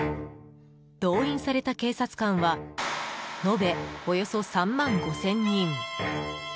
動員された警察官は延べおよそ３万５０００人。